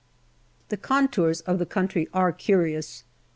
The contours of the country are curious.